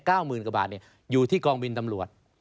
หมื่นกว่าบาทเนี่ยอยู่ที่กองบินตำรวจ